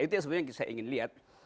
itu yang sebenarnya saya ingin lihat